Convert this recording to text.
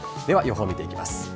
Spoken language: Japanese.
では予報見ていきます。